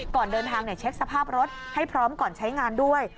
ก่อนเดินทางเช็คสภาพรถให้พร้อมก่อนใช้งานด้วย